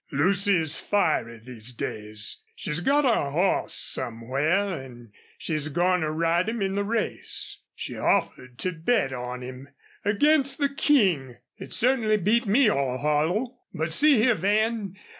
Lucy is fiery these days. She's got a hoss somewhere an' she's goin' to ride him in the race. She offered to bet on him against the King! It certainly beat me all hollow. But see here, Van.